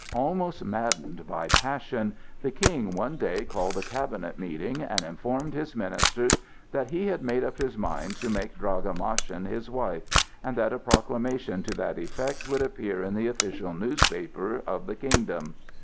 Almost maddened by passion the King one day called a cabinet meeting and informed his ministers that he had made up his mind to make Draga Maschin his wife, and that a proclamation to that effect would appear in the official newspaper of the kingdom.